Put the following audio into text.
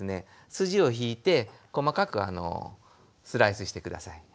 筋を引いて細かくスライスして下さい。